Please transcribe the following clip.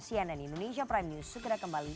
cnn indonesia prime news segera kembali